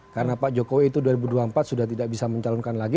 karena pak jokowi itu dua ribu dua puluh empat sudah tidak bisa mencalonkan lagi